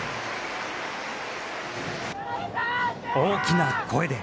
大きな声で。